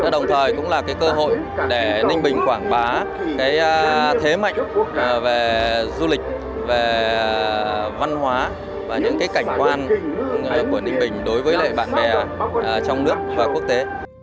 đồng thời cũng là cơ hội để ninh bình quảng bá thế mạnh về du lịch về văn hóa và những cảnh quan của ninh bình đối với lại bạn bè trong nước và quốc tế